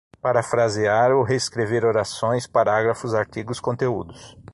Parafrasear ou reescrever orações, parágrafos, artigos, conteúdos